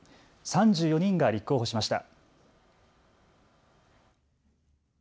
３４人が立候補しました。